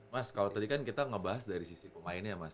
mas kalau tadi kan kita ngebahas dari sisi pemainnya mas